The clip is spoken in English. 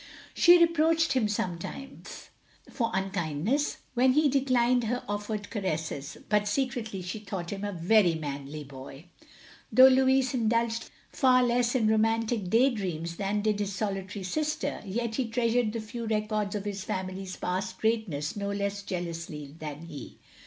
She reproached him sometimes, for unkindness, when he declined her offered caresses ; but secretly she thought him a very manly boy. Though Louis indulged far less in romantic day dreams than did his solitary sister, yet he treasured the few records of his family's past greatness no less jealously than she.